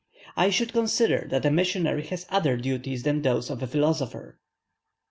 I should consider that a missionary has other duties than those of a philosopher.